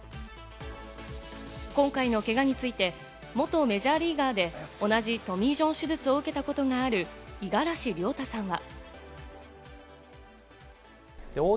今回のけがについて、元メジャーリーガーで同じトミー・ジョン手術を受けたことがある五十嵐亮太さんは。